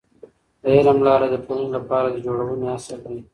د علم لاره د ټولنې لپاره د جوړونې اصل دی.